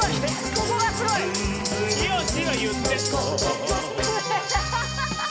ここがすごい！「きよし」は言って。